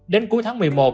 đến cuối tháng một mươi một